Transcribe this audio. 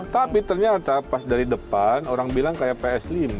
tapi ternyata pas dari depan orang bilang kayak ps lima